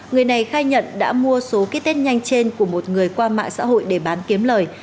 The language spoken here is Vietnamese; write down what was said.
người này khai nhận đã mua số ký test nhanh trên của một người qua mạng xã hội để bán kiếm lời